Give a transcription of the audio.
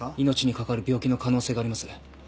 命に関わる病気の可能性があります。